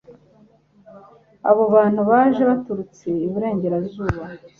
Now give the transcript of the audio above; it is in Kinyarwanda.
Abo bantu baje baturutse iburengerazuba